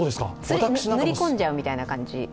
塗り込んじゃうみたいな感じ。